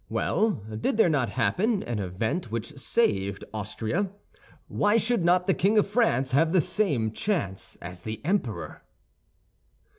Well, did there not happen an event which saved Austria? Why should not the king of France have the same chance as the emperor?"